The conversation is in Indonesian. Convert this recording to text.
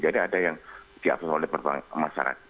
jadi ada yang diabsorb oleh masyarakat